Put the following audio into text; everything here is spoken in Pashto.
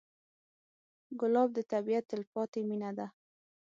ګلاب د طبیعت تلپاتې مینه ده.